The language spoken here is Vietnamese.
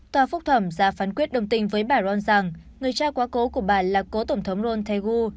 tòa phúc thẩm ra phán quyết đồng tình với bà ron rằng người cha quá cố của bà là cố tổng thống ron tae gu